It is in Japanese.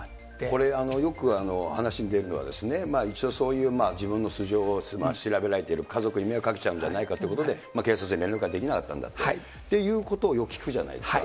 これ、よく話に出るのは、一応、そういう自分の素性を調べられてる、家族に迷惑かけちゃうんじゃないかということで、警察に連絡ができなかったんだっていうことをよく聞くじゃないですか。